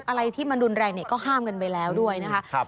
อะไรที่มันรุนแรงเนี่ยก็ห้ามกันไปแล้วด้วยนะคะ